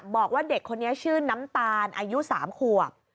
บอกว่าเด็กคนนี้ชื่อน้ำตาลอายุ๓ขวบ